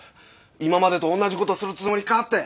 今までと同じ事するつもりかって。